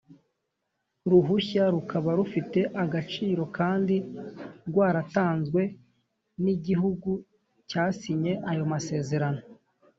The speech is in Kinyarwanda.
ruhushya rukaba rufite agaciro kandi rwaratanzwe n igihugu cyasinye ayo masezerano